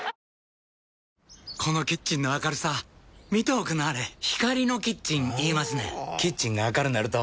このキッチンの明るさ見ておくんなはれ光のキッチン言いますねんほぉキッチンが明るなると・・・